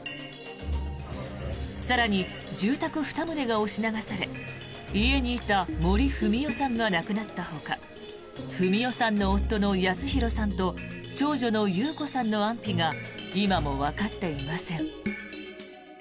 更に、住宅２棟が押し流され家にいた森文代さんが亡くなったほか文代さんの夫の保啓さんと長女の優子さんの安否が今もわかっていません。